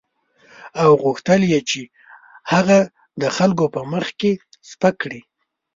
او وغوښتل یې چې هغه د خلکو په مخ کې سپک کړي.